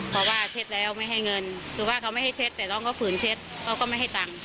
เพราะว่าเช็ดแล้วไม่ให้เงินคือว่าเขาไม่ให้เช็ดแต่น้องเขาฝืนเช็ดเขาก็ไม่ให้ตังค์